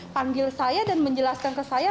panggil saya dan menjelaskan ke saya